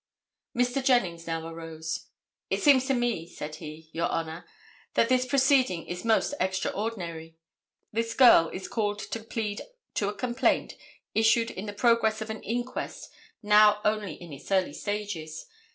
Mr. Jennings now arose. "It seems to me," said he, "your Honor, that this proceeding is most extraordinary. This girl is called to plead to a complaint issued in the progress of an inquest now only in its early stages.